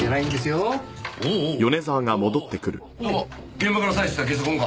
現場から採取した下足痕か？